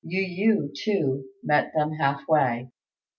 Yu yü, too, met them half way.